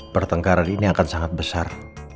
pertengkaran ini akan sangat besar